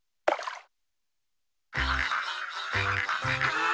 あ！